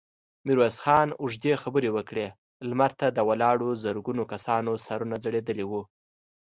ميرويس خان اوږدې خبرې وکړې، لمر ته د ولاړو زرګونو کسانو سرونه ځړېدلي وو.